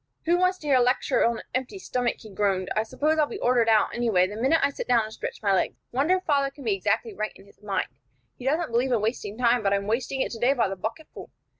"Who wants to hear a lecture on an empty stomach?" he groaned. "I suppose I'll be ordered out, anyway, the minute I sit down and stretch my legs. Wonder if father can be exactly right in his mind. He doesn't believe in wasting time, but I'm wasting it today by the bucketful.